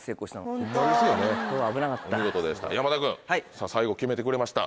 山田君最後決めてくれました。